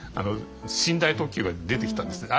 寝台特急が出てきたんですね。